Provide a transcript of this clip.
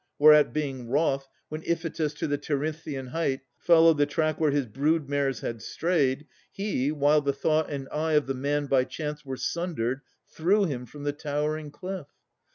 Whereat being wroth, When Iphitus to the Tirynthian height Followed the track where his brood mares had strayed, He, while the thought and eye of the man by chance Were sundered, threw him from the tower crowned cliff.